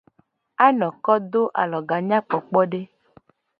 Anoko do aloga nyakpokpode.